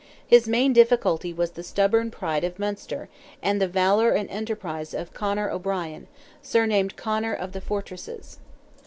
His main difficulty was the stubborn pride of Munster, and the valour and enterprise of Conor O'Brien, surnamed Conor "of the fortresses."